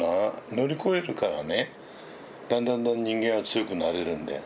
乗り越えるからねだんだんだんだん人間は強くなれるんだよ。